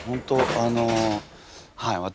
あのはい私